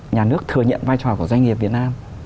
nhà nước thừa nhận vai trò của doanh nghiệp việt nam